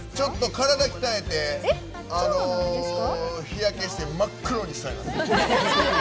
体鍛えて日焼けして真っ黒にしたいな。